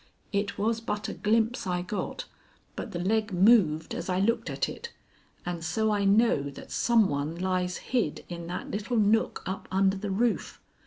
It was but a glimpse I got, but the leg moved as I looked at it, and so I know that some one lies hid in that little nook up under the roof.